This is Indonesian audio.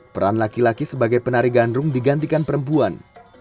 peran laki laki sebagai penari gandrung digantikan perempuan